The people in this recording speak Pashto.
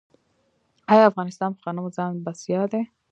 آیا افغانستان په غنمو ځان بسیا دی؟